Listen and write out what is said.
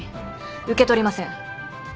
受け取りません。